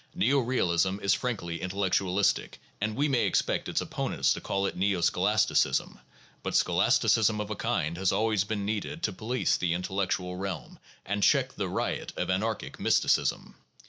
Neo realism is frankly intellectualistic and we may expect its op ponents to call it neo scholasticism, but scholasticism of a kind has always been needed to police the intellectual realm and check the riot of anarchic mysticism.